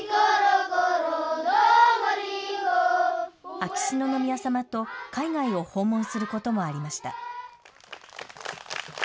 秋篠宮さまと、海外を訪問することもありました。